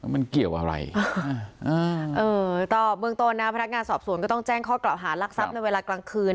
มันเกี่ยวอะไรก็เบื้องต้นนะพนักงานสอบสวนก็ต้องแจ้งข้อกล่าวหารักทรัพย์ในเวลากลางคืน